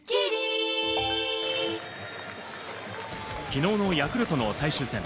昨日のヤクルトの最終戦。